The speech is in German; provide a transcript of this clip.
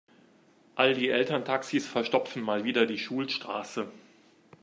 All die Elterntaxis verstopfen mal wieder die Schulstraße.